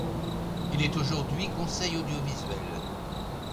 Il est aujourd'hui conseil audiovisuel.